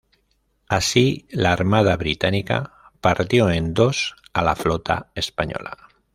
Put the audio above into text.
Así, la armada británica partió en dos a la flota española.